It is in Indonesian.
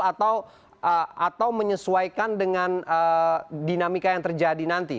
atau menyesuaikan dengan dinamika yang terjadi nanti